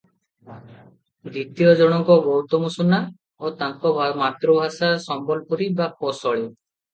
ଦ୍ୱିତୀୟ ଜଣକ ଗୌତମ ସୁନା ଓ ତାଙ୍କ ମାତୃଭାଷା ସମ୍ବଲପୁରୀ ବା କୋସଳୀ ।